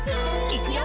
「いくよ！